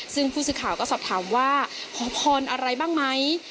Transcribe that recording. ซึ่งผู้สื่อข่าวก็สอบถามว่าขอพรอะไรบ้างไหม